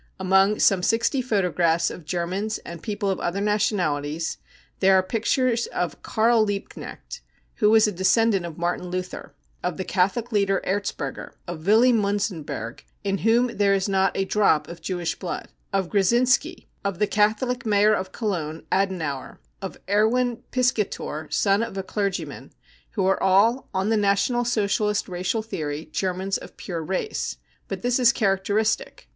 Among some 60 photographs of I Germans and people of other nationalities there are ^pictures of Karl Liebknecht, who was a descendant of m 236 BROWN BOOK OF THE HITLER TERROR Martin Luther, of the Catholic leader Erzberger, of Willy Miinzenberg, in whom there is not a drop of "Jewish blood, 55 of Gresinski, of the Catholic Mayor of Cologne, Adenauer, of Erwin Piskator, son of a clergyman — who are all, on the National Socialist racial theory, " Germans of pure race. 55 But this is characteristic.